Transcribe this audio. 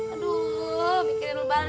aduh mikirin lebaran